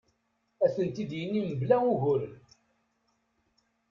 Ad tent-id-yini mebla uguren.